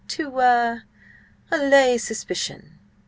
"To–ah–allay suspicion."